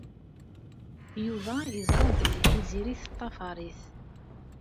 Yuba yeẓra belli Tiziri teṭṭafar-it.